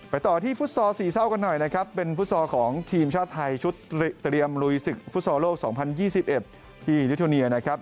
ต่อที่ฟุตซอลสี่เศร้ากันหน่อยนะครับเป็นฟุตซอลของทีมชาติไทยชุดเตรียมลุยศึกฟุตซอลโลก๒๐๒๑ที่ยุทูเนียนะครับ